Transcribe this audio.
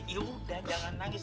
ya sudah jangan nangis